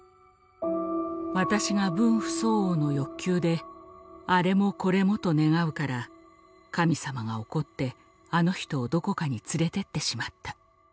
私が分不相応の欲求であれもこれもと願うから神様が怒ってあの人をどこかに連れてってしまった。